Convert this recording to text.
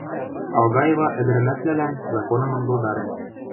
Алгаева ӹдӹрӓмӓшвлӓлӓн законым ынгылдарен.